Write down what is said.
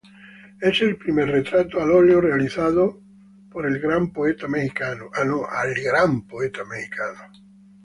Es el primer retrato al óleo realizado al gran poeta mexicano.